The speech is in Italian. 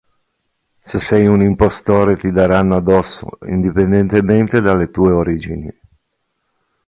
Se sei un impostore ti daranno addosso indipendentemente dalle tue origini.